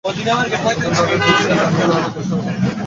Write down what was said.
অতএব তাদের দিল্লীর লাড়ু দিয়ে সরে পড়াই ভাল।